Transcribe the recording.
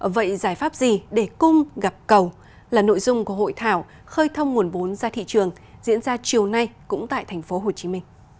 vậy giải pháp gì để cung gặp cầu là nội dung của hội thảo khơi thông nguồn vốn ra thị trường diễn ra chiều nay cũng tại tp hcm